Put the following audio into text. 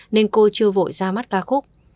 nên cô chưa vội ra mắt ca khúc